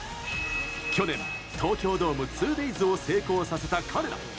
去年、東京ドーム２ＤＡＹＳを成功させた彼ら。